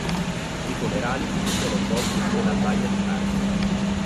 I funerali si sono svolti nella baia di Cardiff.